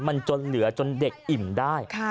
มันจนเหลือจนเด็กอิ่มได้